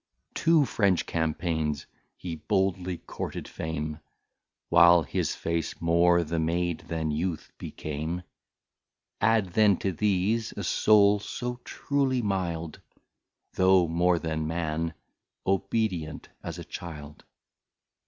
Two French Campagnes he boldly courted Fame, While his Face more the Maid, than Youth became Adde then to these a Soul so truly Mild, Though more than Man, Obedient as a Child.